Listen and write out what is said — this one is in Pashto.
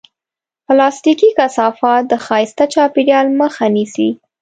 پلاستيکي کثافات د ښایسته چاپېریال مخه نیسي.